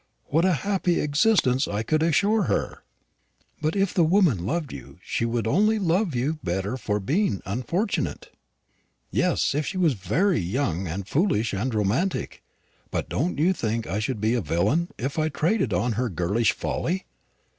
what a happy existence I could assure her!" "But if the woman loved you, she would only love you better for being unfortunate." "Yes, if she was very young and foolish and romantic. But don't you think I should be a villain if I traded on her girlish folly?